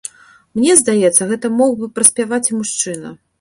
Мне здаецца, гэта мог бы праспяваць і мужчына.